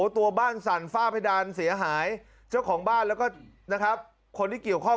ตัวบ้านสั่นฝ้าเพดานเสียหายเจ้าของบ้านแล้วก็นะครับคนที่เกี่ยวข้อง